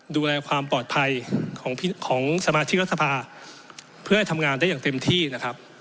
ดูแลความปลอดภัยของสมาชิกรัฐสภาเพื่อให้ทำงานได้อย่างเต็มที่นะครับ